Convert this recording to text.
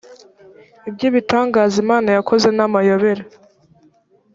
iby ibitangaza imana yakoze namayobera